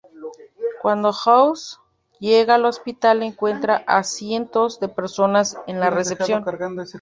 Cuando House llega al hospital encuentra a cientos de personas en la recepción.